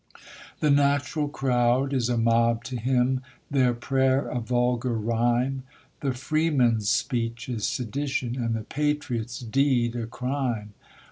The natural crowd is a mob to him, their prayer a vulgar rhyme; The freeman's speech is sedition, and the patriot's deed a crime.